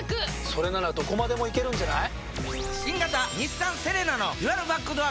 それならどこまでも行けるんじゃない？